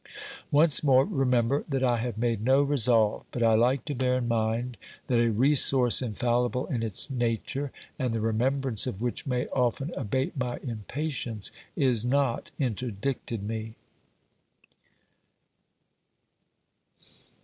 Once more, remember that I have made no resolve, but 156 OBERMANN I like to bear in mind that a resource infallible in its nature, and the remembrance of which may often abate my impatience, is not interdicted me.